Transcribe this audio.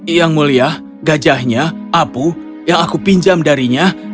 yang mulia gajahnya apu yang aku pinjam darinya